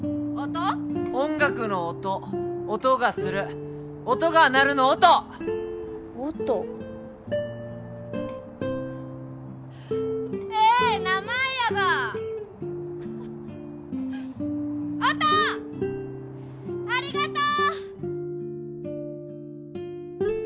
音楽の音音がする音が鳴るの「音」音ええ名前やが音ありがとう！